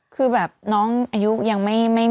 คือแบบน้องอายุยังไม่